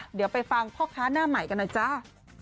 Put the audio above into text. เดี๋ยวไปฟังพ่อค้าหน้าใหม่กันหน่อยจ้า